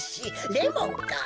レモンか。